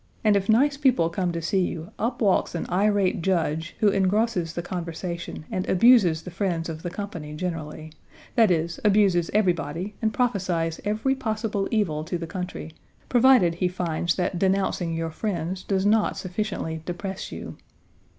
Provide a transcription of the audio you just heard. And if nice people come to see you, up walks an irate Judge, who engrosses the conversation and abuses the friends of the company generally; that is, abuses everybody and prophesies every possible evil to the country, provided he finds that denouncing your friends does not sufficiently depress you.